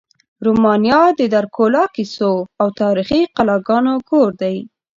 رومانیا د ډرکولا کیسو او تاریخي قلاګانو کور دی.